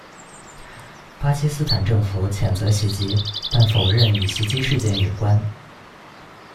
巴基斯坦政府谴责袭击，但否认与袭击事件有关。